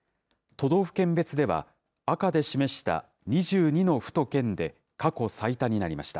都道府県別では、赤で示した２２の府と県で過去最多になりました。